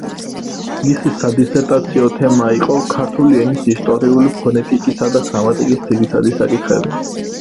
მისი სადისერტაციო თემა იყო „ქართული ენის ისტორიული ფონეტიკისა და გრამატიკის ძირითადი საკითხები“.